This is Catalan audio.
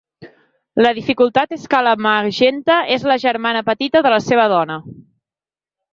La dificultat és que la Magenta és la germana petita de la seva dona.